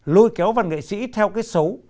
lôi kéo văn nghệ sĩ theo cái xấu